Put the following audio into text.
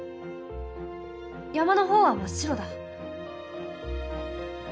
山の方は真っ白だ。